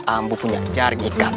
ambo punya jaring ikan